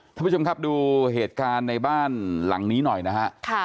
ท่านผู้ชมครับดูเหตุการณ์ในบ้านหลังนี้หน่อยนะฮะ